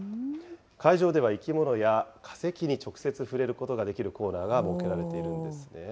会場では生き物や化石に直接触れることができるコーナーが設けられているんですね。